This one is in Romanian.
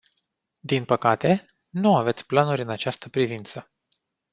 Din păcate, nu aveți planuri în această privință.